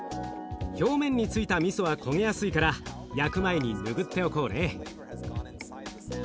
表面についたみそは焦げやすいから焼く前にぬぐっておこうね。